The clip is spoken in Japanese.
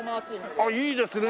あっいいですね！